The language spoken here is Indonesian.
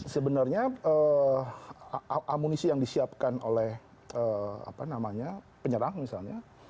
sebenarnya amunisi yang disiapkan oleh penyerang misalnya